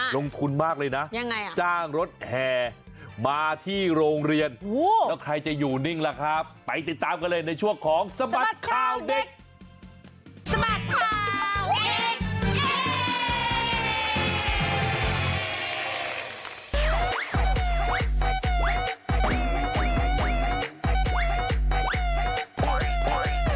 ลงทุนมากเลยนะยังไงอ่ะจ้างรถแห่มาที่โรงเรียนแล้วใครจะอยู่นิ่งล่ะครับไปติดตามกันเลยในช่วงของสบัดข่าวเด็กสมัครข่าว